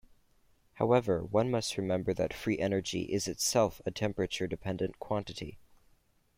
However, one must remember that free energy is itself a temperature dependent quantity.